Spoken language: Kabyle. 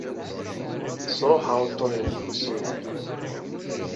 Sṛuḥeɣ uḍḍun-nnek n usawal.